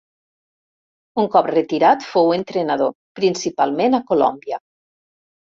Un cop retirat fou entrenador, principalment a Colòmbia.